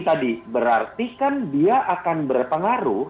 tadi berarti kan dia akan berpengaruh